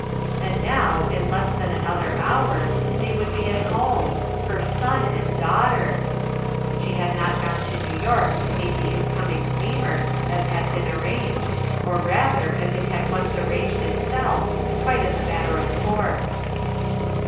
And now, in less than another hour, they would be at home! her son and daughter 1 She had not gone to New York to meet tho incoming steamer, as had been arranged, or rather, as it had once arranged itself, quite as a matter of course.